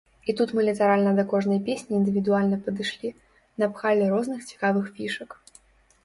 І тут мы літаральна да кожнай песні індывідуальна падышлі, напхалі розных цікавых фішак.